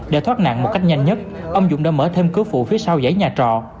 để thoát nạn một cách nhanh nhất ông dũng đã mở thêm cửa phụ phía sau dãy nhà trọ